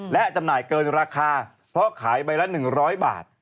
และจำหน่ายเกินราคาเพราะขายใบละ๑๐๐บาท